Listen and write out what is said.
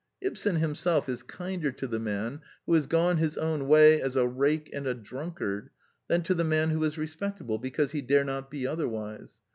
Ibsen himself is kinder to the man who has gone his own way as a rake and a drunkard than to the man who is respectable because he dare not be otherwse.